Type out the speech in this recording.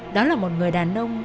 đó là một người đàn ông